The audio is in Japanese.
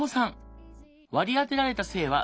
割り当てられた性は「女性」。